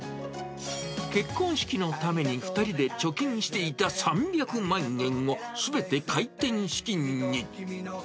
結婚式のために２人で貯金していた３００万円を、すべて開店資金に。